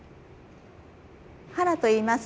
ハラといいます。